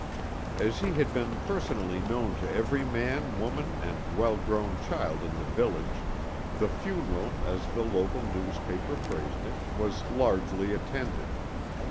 As he had been personally known to every man, woman and well grown child in the village, the funeral, as the local newspaper phrased it, "was largely attended."